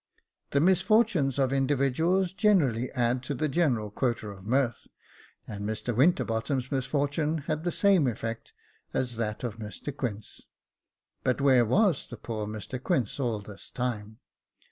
The misfortunes of individuals generally add to the general quota of mirth, and Mr Winterbottom's misfortune had the same effect as that of Mr Quince. But where was poor Mr Quince all this time